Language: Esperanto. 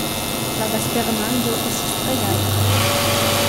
La vespermanĝo estis tre gaja.